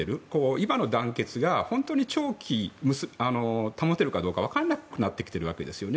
今の団結が本当に長期保てるかどうか分からなくなってきていますね。